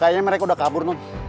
kayaknya mereka udah kabur tuh